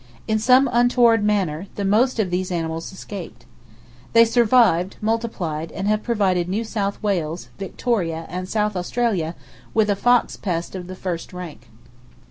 In some untoward manner, the most of those animals escaped. They survived, multiplied, and have provided New South Wales, Victoria and South Australia with a fox pest of the first rank.